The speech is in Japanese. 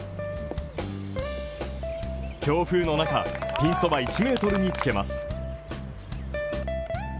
強風の中、ピンそば１ｍにつけます。